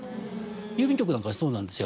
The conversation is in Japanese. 郵便局なんかはそうなんですよ